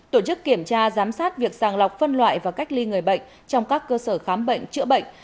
tổ chức kiểm tra giám sát việc sàng lọc phân loại và cách ly người bệnh trong các cơ sở khám bệnh chữa bệnh